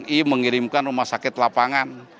dari tni mengirimkan rumah sakit lapangan